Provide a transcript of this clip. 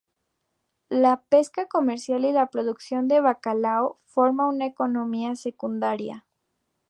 La pesca comercial y la producción de bacalao forma una economía secundaria.